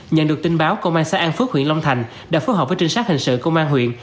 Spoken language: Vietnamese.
nhận được tin báo công an xã an phước huyện long thành đã phối hợp với trinh sát hình sự công an huyện